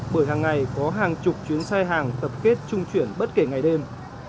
bởi hàng ngày có hàng chục chuyến xe hàng tập kết trung chuyển bất kể ngày đêm